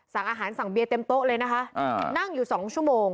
สั่งอาหารสั่งเบียร์เต็มโต๊ะเลยนะคะนั่งอยู่สองชั่วโมง